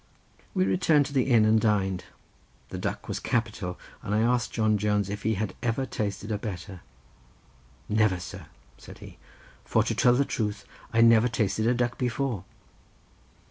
We returned to the inn and dined. The duck was capital, and I asked John Jones if he had ever tasted a better. "Never, sir," said he, "for to tell you the truth, I never tasted a duck before."